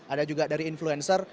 ada juga dari influencer